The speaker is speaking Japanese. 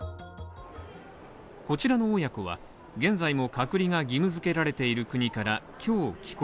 こちらの親子は現在も隔離が義務付けられている国から今日帰国。